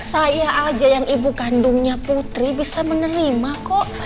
saya aja yang ibu kandungnya putri bisa menerima kok